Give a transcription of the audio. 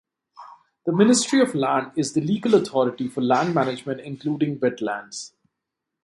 The Ministry of Land is the legal authority for land management including wetlands.